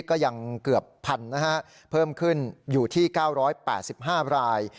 ก็ยังเกือบ๑๐๐นะฮะเพิ่มขึ้นอยู่ที่๙๘๕ราย